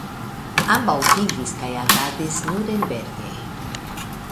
Ambaŭ vivis kaj agadis Nurenberge.